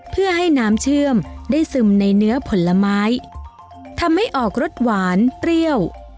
เพื่อให้น้ำเชื่อมได้ซึมในเนื้อผลไม้ทำให้ออกรสหวานเปรี้ยว